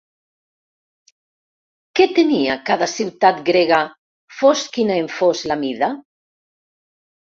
Què tenia cada ciutat grega fos quina en fos la mida?